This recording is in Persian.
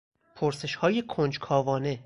پرسشهای کنجکاوانه